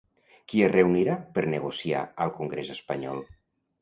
Qui es reunirà per negociar al congrés espanyol?